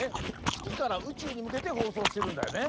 つきからうちゅうにむけてほうそうしてるんだよね。